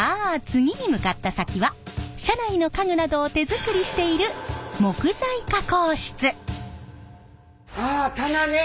次に向かった先は車内の家具などを手作りしているああ棚ね！